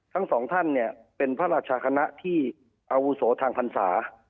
ทั้งสองท่านเนี่ยเป็นพระราชคณะที่อาวุโสทางพรรษา